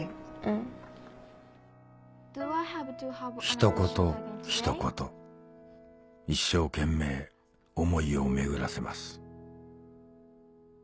ひと言ひと言一生懸命思いを巡らせます